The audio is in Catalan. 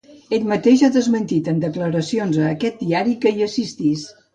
Ell mateix ha desmentit en declaracions a aquest diari que hi assistís.